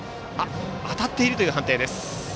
当たっているという判定です。